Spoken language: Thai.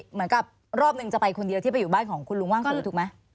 เหมือนกับรอบหนึ่งจะไปคนเดียวที่ไปอยู่บ้านของคุณลุงว่างศรีถูกไหม